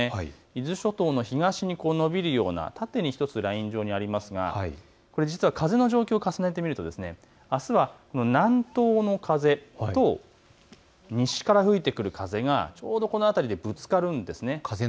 伊豆諸島の東に延びるような縦に１つライン状にありますが風の状況を重ねてみますとあすは南東の風と西から吹いてくる風がちょうどこの辺りでぶつかるんです。